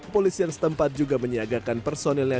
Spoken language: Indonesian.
polis yang setempat juga menyiagakan personilnya